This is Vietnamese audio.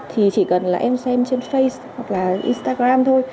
thì chỉ cần là em xem trên face hoặc là instagram thôi